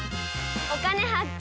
「お金発見」。